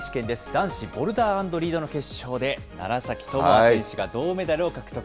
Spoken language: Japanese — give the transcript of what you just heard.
男子ボルダー＆リードの決勝で、楢崎智亜選手が銅メダルを獲得。